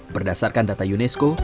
berdasarkan data unesco